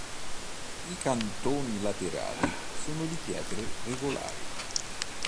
I cantoni laterali sono di pietre regolari.